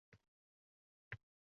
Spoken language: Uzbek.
Bir huyosh hamalib porlab yotibdi!»